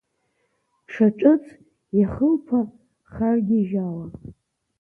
Дшаҿыц ихылԥа харгьежьаауа.